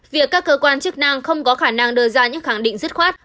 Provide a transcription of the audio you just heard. việc các cơ quan chức năng không có khả năng đưa ra những khẳng định dứt khoát